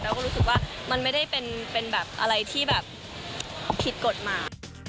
แล้วก็รู้สึกว่ามันไม่ได้เป็นแบบอะไรที่แบบผิดกฎหมาย